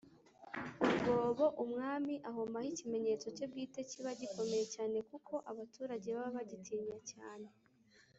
urwobo Umwami ahomaho ikimenyetso cye bwite kiba gikomeye cyane kuko abaturage baba bagitinya cyane